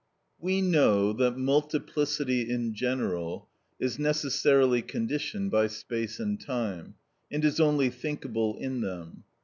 We know that multiplicity in general is necessarily conditioned by space and time, and is only thinkable in them.